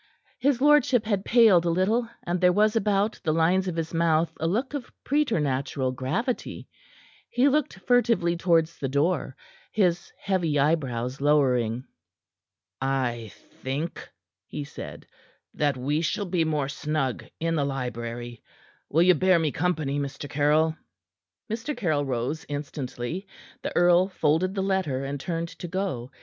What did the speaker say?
His lordship had paled a little, and there was about the lines of his mouth a look of preternatural gravity. He looked furtively towards the door, his heavy eyebrows lowering. "I think," he said, "that we shall be more snug in the library. Will you bear me company, Mr. Caryll?" Mr. Caryll rose instantly. The earl folded the letter, and turned to go.